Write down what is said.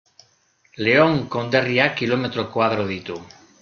Leon konderriak kilometro koadro ditu.